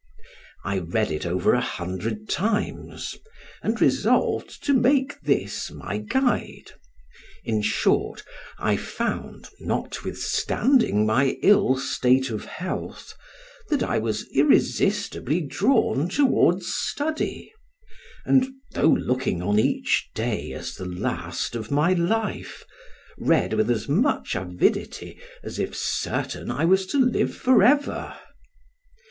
I read it over a hundred times, and resolved to make this my guide; in short, I found (notwithstanding my ill state of health) that I was irresistibly drawn towards study, and though looking on each day as the last of my life, read with as much avidity as if certain I was to live forever.